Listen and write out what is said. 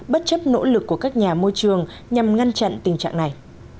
bất chấp nỗ lực của các nhà môi trường nhằm ngăn chặn tình trạng này